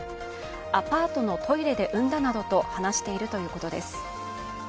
アパートのトイレで産んだなどと話しているということです。